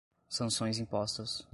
sanções impostas